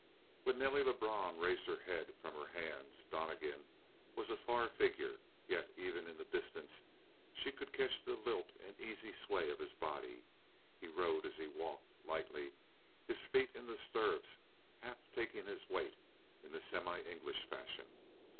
35 When Nelly Lebrun raised her head from her hands, Donnegan was a far figure; yet even in the distance she could catch the lilt and easy sway of his body; he rode as he walked, lightly, his feet in the stirrups half taking his weight in a semi English fashion.